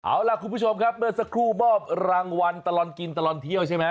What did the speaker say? เอาล่ะคุณผู้ชมครับเมื่อสักครู่มอบรางวัลตลอดกินตลอดเที่ยวใช่ไหม